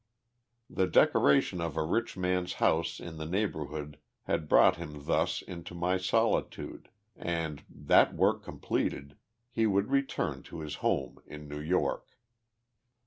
The decoration of a rich man's house in the neighbourhood had brought him thus into my solitude, and, that work completed, he would return to his home in New York.